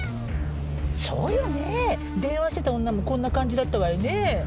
そうよねぇ電話してた女もこんな感じだったわよねぇ。